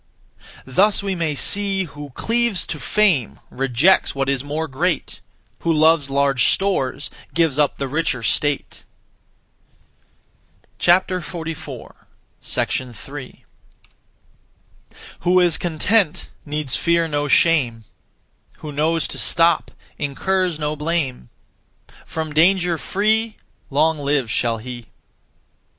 Thus we may see, Who cleaves to fame Rejects what is more great; Who loves large stores Gives up the richer state. 3. Who is content Needs fear no shame. Who knows to stop Incurs no blame. From danger free Long live shall he.